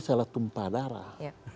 salah tumpah darah